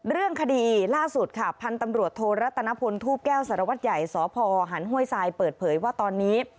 เรื่องคดีล่าสุดค่ะพันธุ์ตำรวจโทรัตนพลทูปแก้วสารวัตรใหญ่สพหันห้วยทรายเปิดเผยว่าตอนนี้